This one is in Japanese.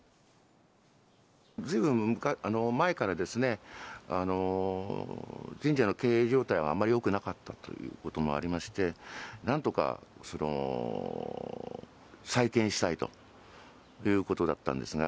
ずいぶん前からですね、神社の経営状態があまりよくなかったということもありまして、なんとか再建したいということだったんですが。